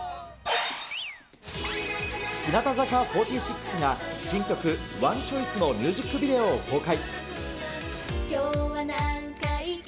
日向坂４６が、新曲、Ｏｎｅｃｈｏｉｃｅのミュージックビデオを公開。